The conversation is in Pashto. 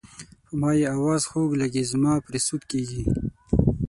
په ما یې اواز خوږ لګي زما پرې سود کیږي.